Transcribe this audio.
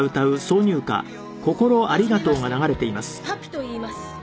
パピといいます」